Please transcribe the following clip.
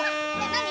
なに？